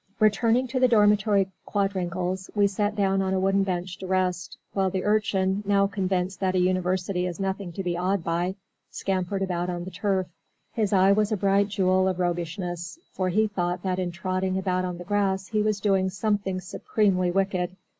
Returning to the dormitory quadrangles, we sat down on a wooden bench to rest, while the Urchin, now convinced that a university is nothing to be awed by, scampered about on the turf. His eye was a bright jewel of roguishness, for he thought that in trotting about the grass he was doing something supremely wicked.